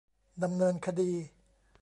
ดำเนินคดี